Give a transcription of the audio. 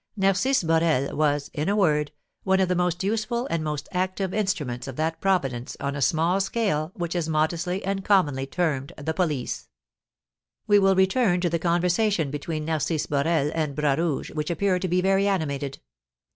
Narcisse Borel was, in a word, one of the most useful and most active instruments of that providence on a small scale which is modestly and commonly termed the police. We will return to the conversation between Narcisse Borel and Bras Rouge, which appeared to be very animated.